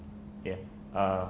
untuk teknologi yang kami pakai